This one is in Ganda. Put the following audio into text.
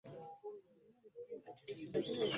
Wali olidde ku keeke eva mu nsujju